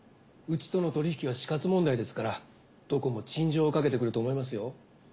うちとの取り引きは死活問題ですからどこも陳情をかけてくると思いますよ。